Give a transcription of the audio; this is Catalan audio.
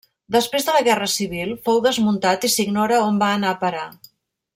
Després de la Guerra Civil fou desmuntat i s'ignora on va anar a parar.